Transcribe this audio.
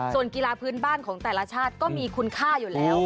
ส่วนกีฬาพื้นบ้านของแต่ละชาติก็มีคุณค่าอยู่แล้ว